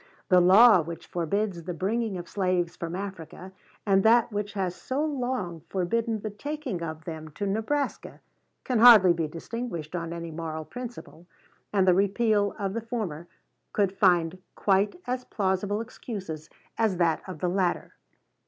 The law which forbids the bringing of slaves from Africa, and that which has so long forbidden the taking of them to Nebraska, can hardly be distinguished on any moral principle; and the repeal of the former could find quite as plausible excuses as that of the latter."